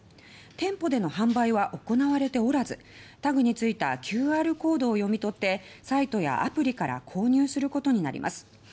店舗での販売は行われておらずタグに付いたＱＲコードを読み取ってサイトやアプリから購入することになります。